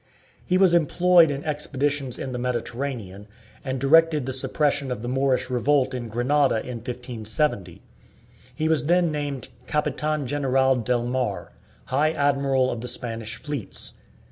He was employed in expeditions in the Mediterranean, and directed the suppression of the Moorish revolt in Granada in 1570. He was then named "Capitan General del Mar" High Admiral of the Spanish fleets.